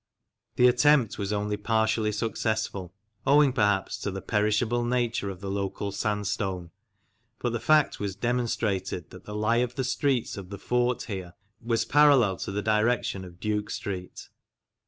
The attempt was only partially successful, owing perhaps to the perishable nature of the local sandstone, but the fact was demonstrated that the lie of the streets of the fort here was parallel to the direction of Duke Street.